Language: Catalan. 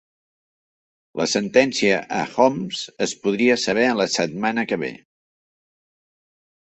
La sentència a Homs es podria saber la setmana que ve